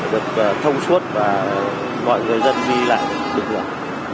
được thông suốt và mọi người dân đi lại được nhận